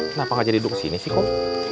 kenapa nggak jadi duduk sini sih kum